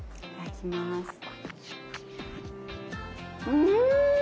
うん！